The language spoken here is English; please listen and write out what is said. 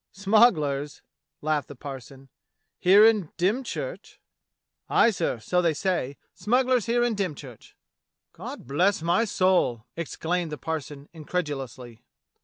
"Smugglers," laughed the parson, "here in Dym church?" "Aye, sir, so they say. Smugglers here in Dym church." "God bless my soul!" exclaimed the parson incred ulously.